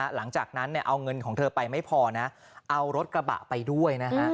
หลังจากนั้นเอาเงินของเธอไปไม่พอนะเอารถกระบะไปด้วยนะฮะ